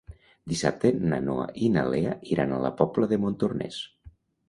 Dissabte na Noa i na Lea iran a la Pobla de Montornès.